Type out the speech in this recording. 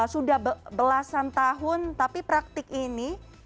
sudah belasan tahun tapi praktik ini